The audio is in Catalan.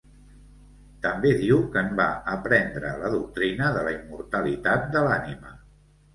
També diu que en va aprendre la doctrina de la immortalitat de l'ànima.